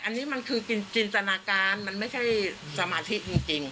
อันนี้มันคือจินตนาการมันไม่ใช่สมาธิจริง